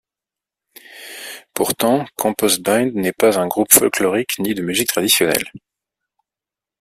Pourtant, Compost Binde n'est pas un groupe folklorique ni de musique traditionnelle.